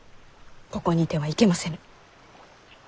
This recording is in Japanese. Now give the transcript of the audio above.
ここにいてはいけませぬ。